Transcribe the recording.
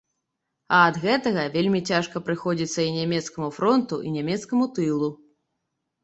А ад гэтага вельмі цяжка прыходзіцца і нямецкаму фронту і нямецкаму тылу.